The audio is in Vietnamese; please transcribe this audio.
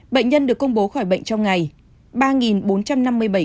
bệnh nhân được công bố khỏi bệnh trong ngày ba bốn trăm năm mươi bảy người